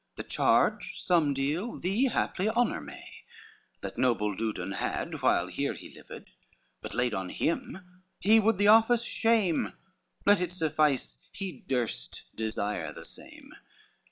The charge some deal thee haply honor may, That noble Dudon had while here he lived; But laid on him he would the office shame, Let it suffice, he durst desire the same.